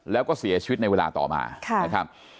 แล้วก็เสียชีวิตในเวลาต่อมานะครับ